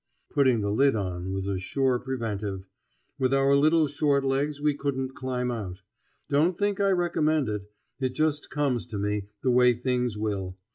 Putting the lid on was a sure preventive; with our little short legs we couldn't climb out. Don't think I recommend it. It just comes to me, the way things will.